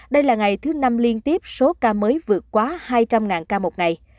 đây là ngày thứ năm liên tiếp số ca mới vượt quá hai trăm linh ca một ngày